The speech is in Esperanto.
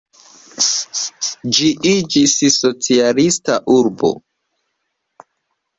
Ĝi iĝis socialista urbo.